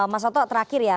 mas otto terakhir ya